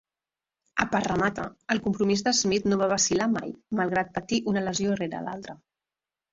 A Parramatta, el compromís de Smith no va vacil·lar mai, malgrat patir una lesió rere l'altra.